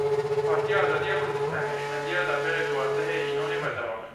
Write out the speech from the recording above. Partiya Azadiya Kurdistanê, hişmendiya darbeya duwazdehê îlona berdewam e.